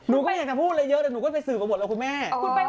นูก็ไม่อยากจะพูดอะไรเยอะแล้วนูก็ไปสื่อประบวนแล้วครับคุณแม่